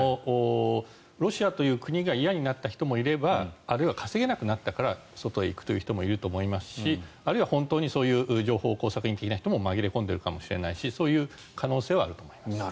ロシアという国が嫌になった人もいればあるいは稼げなくなったから外に行くという人もいると思いますしあるいは本当にそういう情報工作員的な人も紛れ込んでいるかもしれないしそういう可能性はあると思います。